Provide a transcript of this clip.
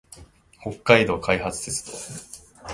北総開発鉄道